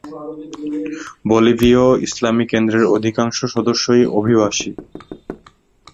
বলিভীয় ইসলামি কেন্দ্রের অধিকাংশ সদস্যই অভিবাসী।